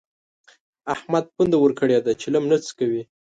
احمد پونده ورکړې ده؛ چلم نه څکوي.